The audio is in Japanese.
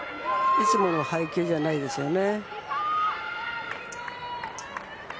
いつもの配球じゃないですよね。